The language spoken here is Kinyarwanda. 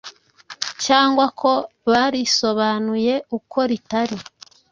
cyangwa ko barisobanuye uko ritari